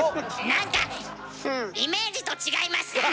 なんかイメージと違いました。